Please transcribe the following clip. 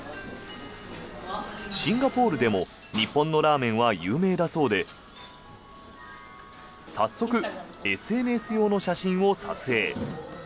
シンガポールでも日本のラーメンは有名だそうで早速、ＳＮＳ用の写真を撮影。